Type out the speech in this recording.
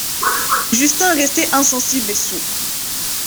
Justin restait insensible et sourd.